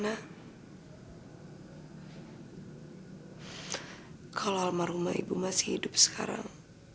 nah kalau almarhumah ibu masih hidup sekarang